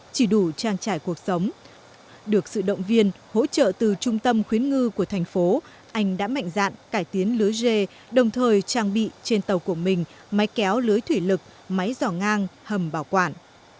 chỉ đủ trang trải cuộc sống được sự động viên hỗ trợ từ trung tâm khuyến ngư của thành phố anh đã mạnh dạn cải tiến lưới dê đồng thời trang bị trên tàu của mình máy kéo lưới thủy lực máy giỏ ngang hầm bảo quản